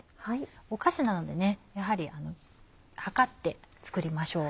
お菓子なのでやはり量って作りましょう。